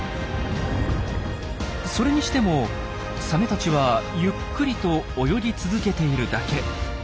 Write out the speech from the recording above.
それにしてもサメたちはゆっくりと泳ぎ続けているだけ。